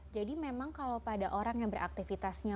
jadi memang kalau pada orang yang beraktivitasnya